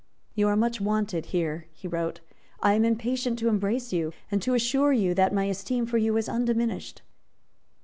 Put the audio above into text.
"You are much wanted here," he wrote: "I am impatient to embrace you, and to assure you that my esteem for you is undiminished."